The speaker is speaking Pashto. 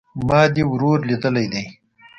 ما دي ورور ليدلى دئ